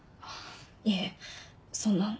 いえそんな。